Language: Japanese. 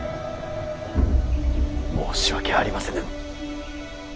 申し訳ありませぬ。